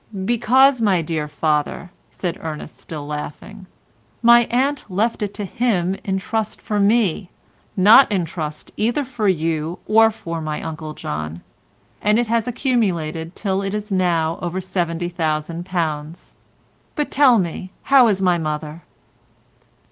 "Because, my dear father," said Ernest still laughing, "my aunt left it to him in trust for me, not in trust either for you or for my Uncle John—and it has accumulated till it is now over £70,000. But tell me how is my mother?"